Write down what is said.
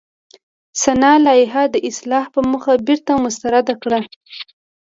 سنا لایحه د اصلاح په موخه بېرته مسترده کړه.